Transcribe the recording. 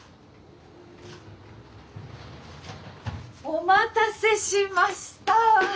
お待たせしました！